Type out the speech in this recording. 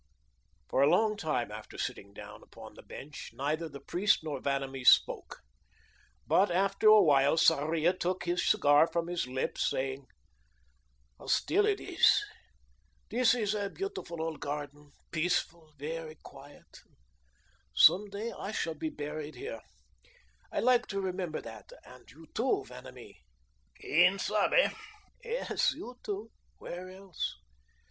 For a long time after sitting down upon the bench, neither the priest nor Vanamee spoke. But after a while Sarria took his cigar from his lips, saying: "How still it is! This is a beautiful old garden, peaceful, very quiet. Some day I shall be buried here. I like to remember that; and you, too, Vanamee." "Quien sabe?" "Yes, you, too. Where else?